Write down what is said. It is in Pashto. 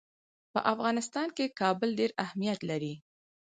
په افغانستان کې کابل ډېر اهمیت لري.